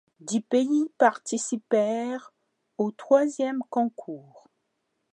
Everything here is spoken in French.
Dix pays participèrent au troisième concours.